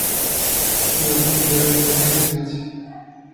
لە تۆم دەوێت بەهێز بیت.